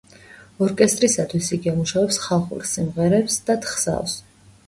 ორკესტრისათვის იგი ამუშავებს ხალხური სიმღერებს და თხზავს.